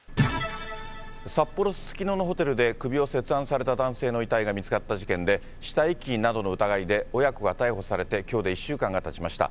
札幌・すすきのホテルで首を切断された男性の遺体が見つかった事件で、死体遺棄などの疑いで親子が逮捕されてきょうで１週間がたちました。